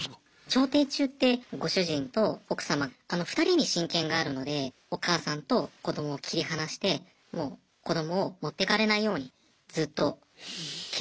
調停中ってご主人と奥様２人に親権があるのでお母さんと子どもを切り離してもう子どもを持ってかれないようにずっと警護してくれと。